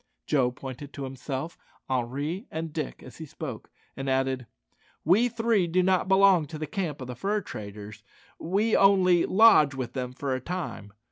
Joe pointed to himself, Henri, and Dick as he spoke, and added, "We three do not belong to the camp of the fur traders; we only, lodge with them for a time.